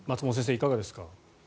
いかがですか？